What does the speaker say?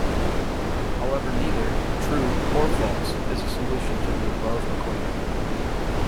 However neither "true" or "false" is a solution to the above equation.